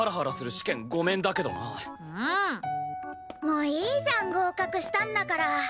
もういいじゃん合格したんだから。